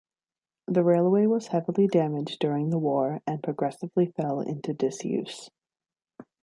The railway was heavily damaged during the war and progressively fell into disuse.